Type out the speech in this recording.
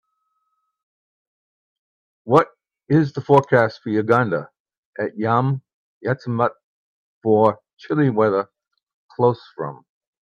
what is the forecast for Uganda at Yom Ha'atzmaut for chilly weather close from